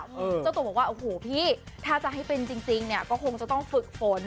เจ้าตัวบอกว่าโอ้โหพี่ถ้าจะให้เป็นจริงเนี่ยก็คงจะต้องฝึกฝน